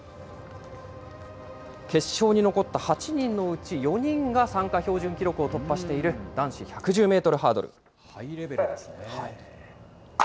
決勝に残った８人のうち４人が参加標準記録を突破している男子１ハイレベルですね。